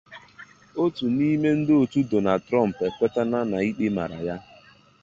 otu n’ịme ndị otu Donald Trump ekwetena n’ịkpe mara ya